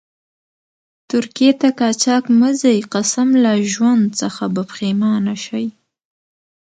ترکيې ته قاچاق مه ځئ، قسم لا ژوند څخه به پیښمانه شئ.